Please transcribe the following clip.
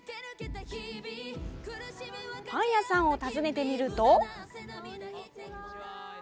パン屋さんを訪ねてみると。